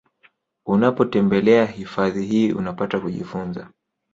Unapotembelea hifafadhi hii unapata kujifunza